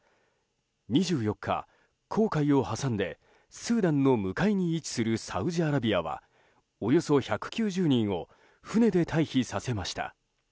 ２４日、紅海を挟んでスーダンの向かいに位置するサウジアラビアはおよそ１９０人を船で退避させました。